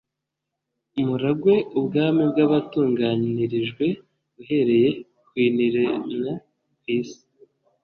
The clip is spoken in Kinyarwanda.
muragwe ubwami bwabatunganirijwe uhereye ku lniremwa kw'isi.